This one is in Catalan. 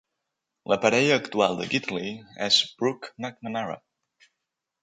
La parella actual de Gidley és Brooke McNamara.